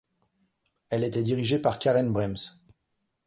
Elle était dirigée par Karen Brems.